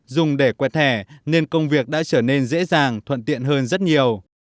dùng để quẹt thẻ nên công việc đã trở nên dễ dàng thuận tiện hơn rất nhiều